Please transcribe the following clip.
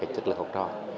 chất lượng học trò